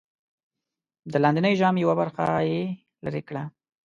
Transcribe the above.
د لاندېنۍ ژامې یوه برخه یې لرې کړه.